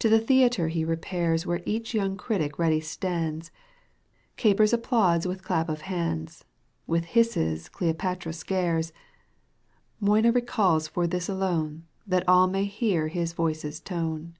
To the theatre he repairs Where each young critic ready stands, Capers applauds with clap of hands. With hisses Cleopatra scares, Moina recalls for this alone That all may hear his voice^s tone.